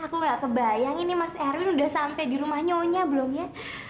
aku gak kebayang ini mas erwin udah sampai di rumah nyonya belum ya